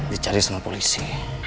dicari sama polisi